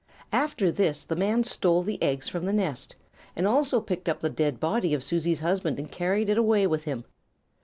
"After this the man stole the eggs from the nest, and also picked up the dead body of Susie's husband and carried it away with him.